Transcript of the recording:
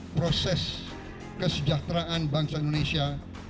proses kesejahteraan bangsa indonesia